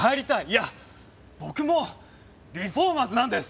いや僕もリフォーマーズなんです！